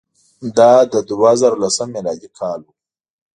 دا د دوه زره لسم میلادي کال وو.